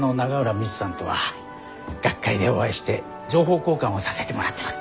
未知さんとは学会でお会いして情報交換をさせてもらってます。